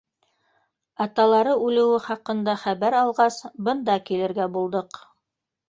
— Аталары үлеүе хаҡында хәбәр алғас, бында килергә булдыҡ.